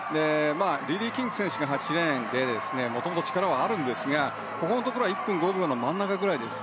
リリー・キングが８レーンでもともと力はあるんですがここのところ１分５秒の真ん中くらいです。